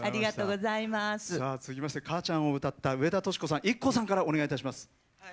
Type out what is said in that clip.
続きまして「かあちゃん」を歌った上田淑子さん、ＩＫＫＯさんからお願いします。